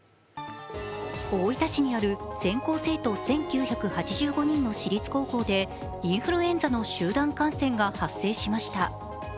大分市にある全校生徒１９８５人の私立高校でインフルエンザの集団感染が発生しました。